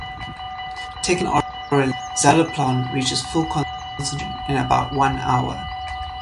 Taken orally, zaleplon reaches full concentration in about one hour.